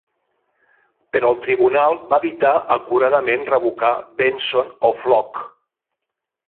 Però el tribunal va evitar acuradament revocar "Benson" o "Flook".